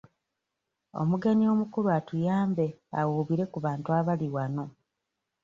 Omugenyi omukulu atuyambe awuubire ku bantu abali wano.